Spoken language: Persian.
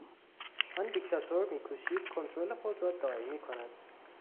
آن دیکتاتور میکوشید کنترل خود را دائمی کند.